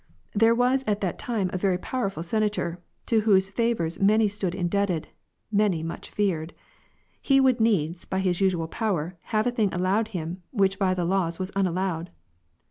There was at that time a very powerful senator, to whose favours many stood indebted, many much feared. He would needs, by his usual power, have a thing allowed him, which by the laws was unallowed.